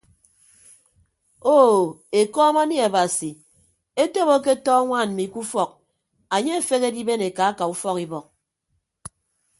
Oo ekọm anie abasi etop aketọ añwaan mmi ke ufọk anye afehe adiben eka aka ufọk ibọk.